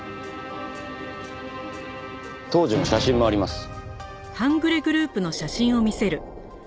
当時の写真もあります。